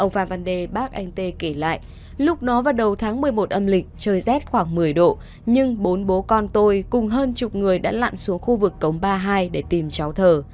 ông phạm văn đề bác anh t kể lại lúc đó vào đầu tháng một mươi một âm lịch trời rét khoảng một mươi độ nhưng bốn bố con tôi cùng hơn chục người đã lặn xuống khu vực cống ba mươi hai để tìm cháu thờ